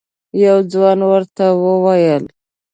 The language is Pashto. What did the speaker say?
یو ځوان ورته وویل: